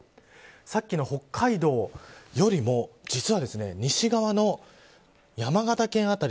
さっきの北海道よりも実は西側の山形県辺り